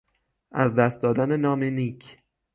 از دست دادن نام نیک